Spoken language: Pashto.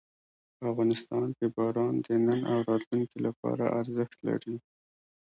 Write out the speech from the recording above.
افغانستان کې باران د نن او راتلونکي لپاره ارزښت لري.